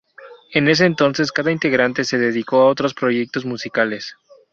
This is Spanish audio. En ese entonces cada integrante se dedicó a otros proyectos musicales.